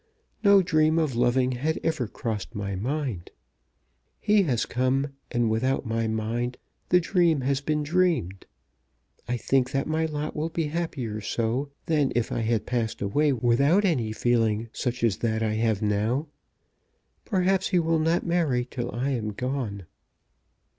No dream of loving had ever crossed my mind. He has come, and without my mind, the dream has been dreamed. I think that my lot will be happier so, than if I had passed away without any feeling such as that I have now. Perhaps he will not marry till I am gone."